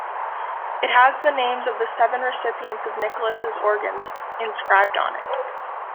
It has the names of the seven recipients of Nicholas' organs inscribed on it.